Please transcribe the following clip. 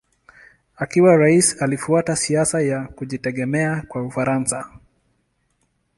Akiwa rais alifuata siasa ya kujitegemea kwa Ufaransa.